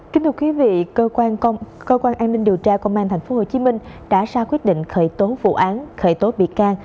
cơ quan an ninh điều tra công an tp hcm đã ra quyết định khởi tố vụ án khởi tố bị can